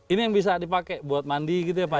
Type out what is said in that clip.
ini yang bisa dipakai buat mandi gitu ya pak